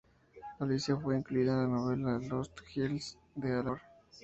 Alicia fue incluida en la novela Lost Girls de Alan Moore.